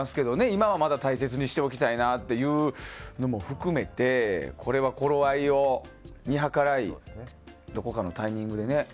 今は、まだ大切にしておきたいなというのも含めてこれは、頃合いを見計らいどこかのタイミングでね。